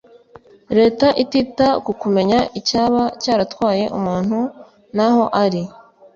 Leta itita ku kumenya icyaba cyaratwaye umuntu n’aho ari